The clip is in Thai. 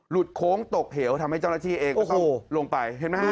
หลุดโค้งตกเหี่ยวทำให้เจ้าหน้าที่เองลงไปเห็นไหมครับ